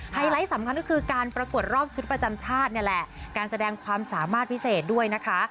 ไลท์สำคัญก็คือการประกวดรอบชุดประจำชาตินี่แหละการแสดงความสามารถพิเศษด้วยนะคะ